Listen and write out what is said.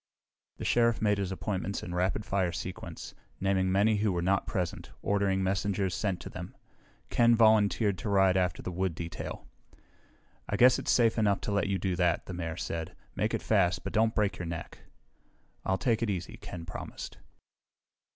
The Sheriff made his appointments in rapid fire sequence, naming many who were not present, ordering messengers sent to them. Ken volunteered to ride after the wood detail. "I guess it's safe enough to let you do that," the Mayor said. "Make it fast, but don't break your neck." "I'll take it easy," Ken promised.